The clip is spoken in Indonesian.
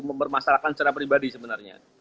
mempermasalahkan secara pribadi sebenarnya